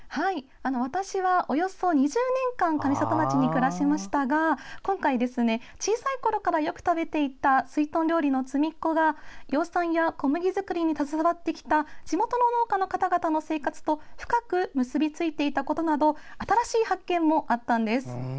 私は、およそ２０年間上里町で暮らしましたが今回、小さいころからよく食べていたすいとん料理「つみっこ」が養蚕と小麦作りに携わってきた地元の農家の方々の生活と深く結びついていたことなど新しい発見もあったんです。